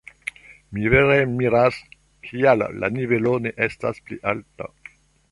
Mi vere miras, kial la nivelo ne estas pli alta.